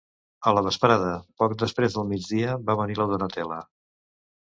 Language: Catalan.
A la vesprada, poc després del migdia, va venir la Donatella.